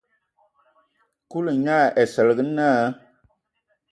Kulu nye ai Asǝlǝg naa.